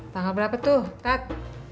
tanggal berapa tuh kak